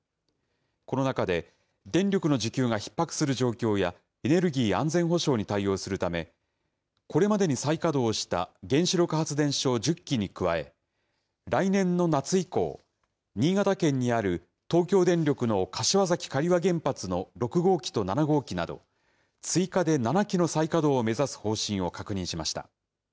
この中で、電力の需給がひっ迫する状況や、エネルギー安全保障に対応するため、これまでに再稼働した原子力発電所１０基に加え、来年の夏以降、新潟県にある東京電力の柏崎刈羽原発の６号機と７号機など、追加で７基の再稼働を目指す方針を確認しました。